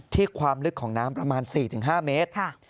ความลึกของน้ำประมาณ๔๕เมตร